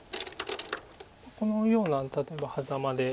このような例えばハザマで。